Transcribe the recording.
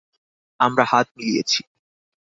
আমরা হাত মিলিয়েছি।